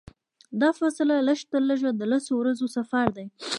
دا فاصله لږترلږه د لسو ورځو سفر دی.